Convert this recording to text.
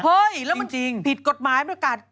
จริงแล้วมันผิดกฎไม้ประกาศ